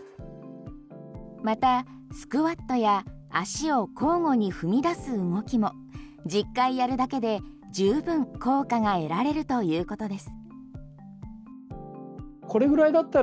また、スクワットや足を交互に踏み出す動きも１０回やるだけで充分効果が得られるということです。